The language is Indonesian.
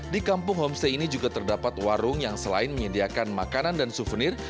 di kampung homestay ini juga terdapat warung yang selain menyediakan makanan dan souvenir